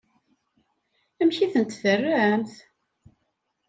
Amek i tent-terramt?